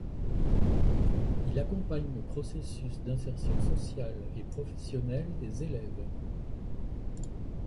Il accompagne le processus d'insertion sociale et professionnelle des élèves.